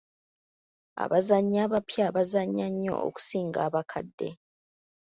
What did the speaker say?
Abazannyi abapya bazannya nnyo okusinga abakadde.